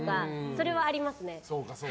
それはありますね。